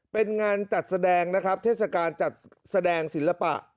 เป็นงานจัดแสดงนะครับเทศกาลจัดแสดงศิลปะ